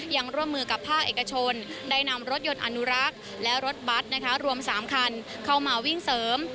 ยังร่วมมือกับภาคเอกชนได้นำรถยนต์อนุรักษ์และรถบัตรนะคะรวม๓คันเข้ามาวิ่งเสริม